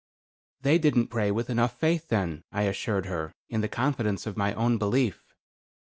"They didn't pray with enough faith, then;" I assured her in the confidence of my own belief.